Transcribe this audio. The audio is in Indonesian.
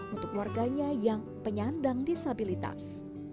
untuk warganya yang penyandang disabilitas